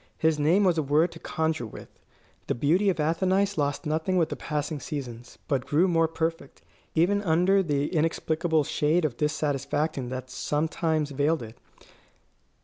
His name was a word to conjure with. The beauty of Athenais lost nothing with the passing seasons, but grew more perfect, even under the inexplicable shade of dissatisfaction that sometimes veiled it.